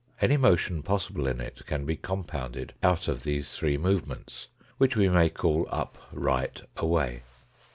Any motion possible in it can be compounded out of these three movements, which we may call : up, right, away.